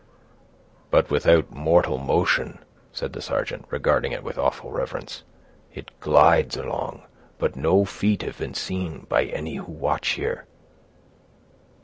"But without mortal motion," said the sergeant, regarding it with awful reverence. "It glides along, but no feet have been seen by any who watch here."